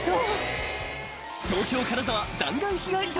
東京金沢、弾丸日帰り旅。